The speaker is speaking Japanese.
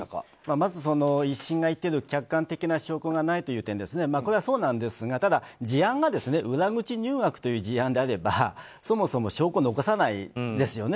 まず、１審が言っている客観的な証拠がないという点これはそうなんですがただ、事案が裏口入学という事案であればそもそも証拠を残さないですよね。